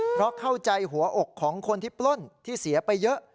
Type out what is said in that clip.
เพราะเข้าใจหัวอกของคนที่ปล้นที่เสียไปเยอะ